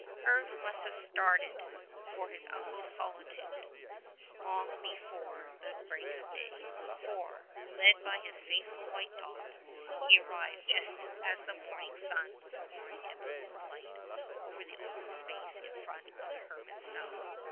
Herve must have started for his uncle's solitude long be fore the break of day, for, led by his faithful white dog, he arrived just as the morning sun was pouring a pool of light over the open space in front of the hermit's cell.